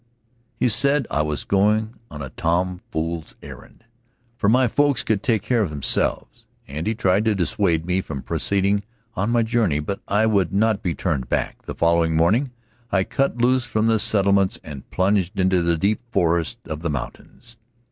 He said I was going on a "Tom Fool's errand," for my folks could take care of themselves, and he tried to dissuade me from proceeding on my journey. But I would not be turned back. The following morning I cut loose from the settlements and plunged into the deep forest of the mountains.